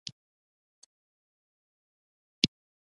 سبا ټول خلک د امارت مخې ته راټول شول.